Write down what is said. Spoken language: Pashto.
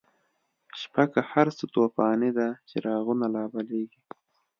شپه که هر څه توفانی ده، چراغونه لا بلیږی